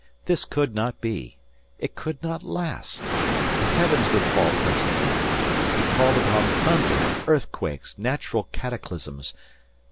This could not be. It could not last. The heavens would fall presently. He called upon thunder, earthquakes, natural cataclysms.